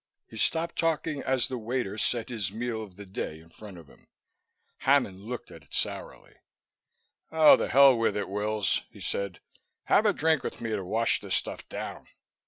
He stopped talking as the waiter set his Meal of the Day in front of him. Hammond looked at it sourly. "Oh, the hell with it, Wills," he said. "Have a drink with me to wash this stuff down."